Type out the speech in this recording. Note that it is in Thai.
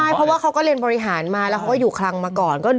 ใช่เพราะว่าเขาก็เรียนบริหารมาแล้วเขาก็อยู่คลังมาก่อน